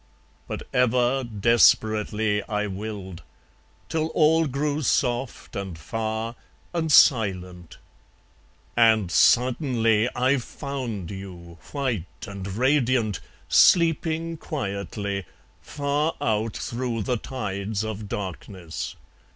... But ever Desperately I willed; Till all grew soft and far And silent ... And suddenly I found you white and radiant, Sleeping quietly, Far out through the tides of darkness.